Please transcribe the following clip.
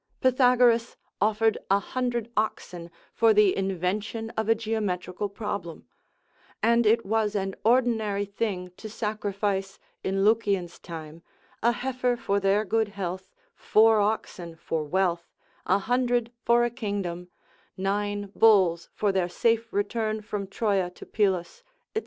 Pythagoras offered a hundred oxen for the invention of a geometrical problem, and it was an ordinary thing to sacrifice in Lucian's time, a heifer for their good health, four oxen for wealth, a hundred for a kingdom, nine bulls for their safe return from Troja to Pylus, &c.